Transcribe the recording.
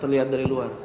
terlihat dari luar ya